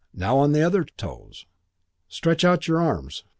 Now on the other. Toes. Stretch out your arms.